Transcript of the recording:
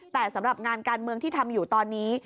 แต่สำหรับงานการเมืองที่ทำอยู่ตอนนี้